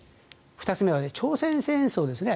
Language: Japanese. ２つ目は朝鮮戦争ですね。